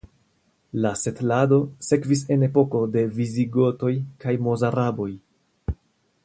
La setlado sekvis en epoko de visigotoj kaj mozaraboj.